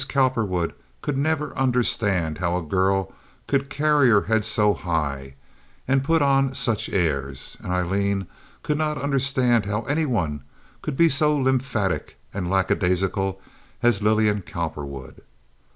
Cowperwood could never understand how a girl could carry her head so high and "put on such airs," and Aileen could not understand how any one could be so lymphatic and lackadaisical as Lillian Cowperwood.